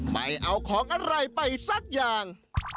ไม่เอาของอะไรไปสักอย่าง